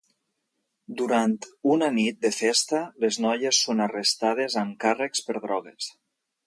Durant una nit de festa, les noies són arrestades amb càrrecs per drogues.